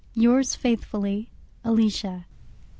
Yours faithfully, ALICIA.